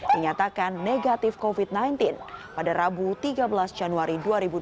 dinyatakan negatif covid sembilan belas pada rabu tiga belas januari dua ribu dua puluh